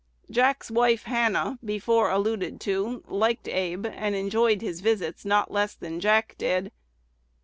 Jack's wife, Hannah, before alluded to, liked Abe, and enjoyed his visits not less than Jack did.